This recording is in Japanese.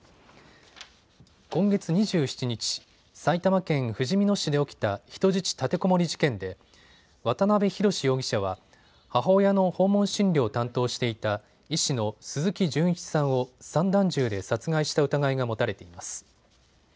今月２７日、埼玉県ふじみ野市で起きた人質立てこもり事件で渡邊宏容疑者は母親の訪問診療を担当していた医師の鈴木純一さんを散弾銃で殺害した疑いが持たれています。